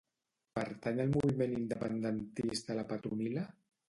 Pertany al moviment independentista la Petronila?